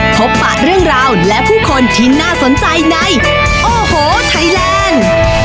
พบปากเรื่องราวและผู้คนที่น่าสนใจในโอ้โหไทยแลนด์